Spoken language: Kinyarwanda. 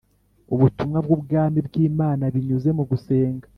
Ubutumwa bw Ubwami bw Imana binyuze mugusenga